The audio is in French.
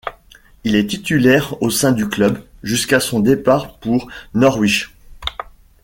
Il est titulaire au sein du club, jusqu'à son départ pour Norwich.